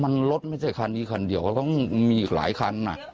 มันรถไม่ใช่คันนี้คันเดียวก็ต้องมีอีกหลายคัน